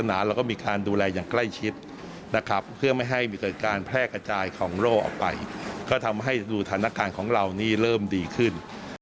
นะครับเพื่อไม่ให้มีเกิดการแพร่กระจายของโรคออกไปก็ทำให้สถานการณ์ของเรานี่เริ่มดีขึ้น